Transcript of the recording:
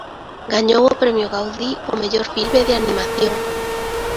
Gañou o premio Gaudí ó mellor filme de animación.